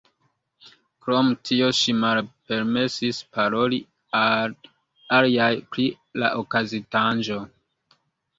Krom tio ŝi malpermesis paroli al aliaj pri la okazintaĵo.